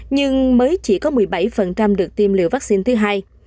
nhưng mới chỉ có một mươi bảy được tiêm liều vaccine thứ hai